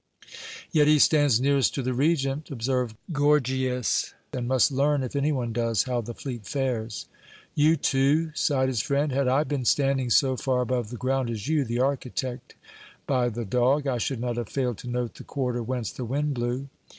"Yet he stands nearest to the Regent," observed Gorgias, "and must learn, if any one does, how the fleet fares." "You too!" sighed his friend. "Had I been standing so far above the ground as you, the architect by the dog, I should not have failed to note the quarter whence the wind blew!